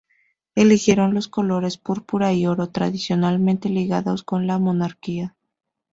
Eligieron los colores púrpura y oro, tradicionalmente ligados con la monarquía.